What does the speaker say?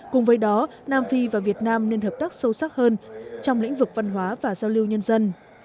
cùng với đó nam phi và việt nam nên hợp tác sâu sắc hơn trong lĩnh vực văn hóa và giao lưu nhân dân